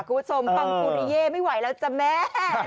คุณผู้ชมฟังปุริเย่ไม่ไหวแล้วจ้ะแม่